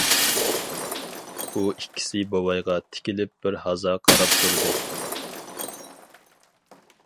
ئۇ ئىككىسى بوۋايغا تىكىلىپ بىرھازا قاراپ تۇردى.